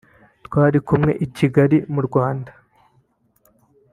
Twari kumwe i Kigali mu Rwanda